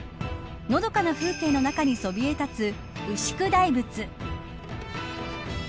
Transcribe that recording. のどかな風景の中にそびえ立つ牛久大仏。